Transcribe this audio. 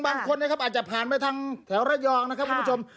บางคนนะครับอาจจะผ่านไปทางแถวระยองนะครับคุณผู้ชม